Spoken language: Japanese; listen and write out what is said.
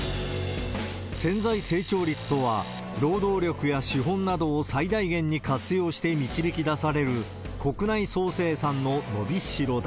潜在成長率とは、労働力や資本などを最大限に活用して導き出される国内総生産の伸びしろだ。